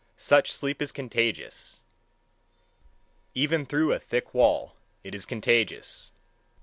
Such sleep is contagious even through a thick wall it is contagious.